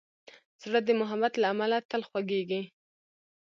زړه د محبت له امله تل خوږېږي.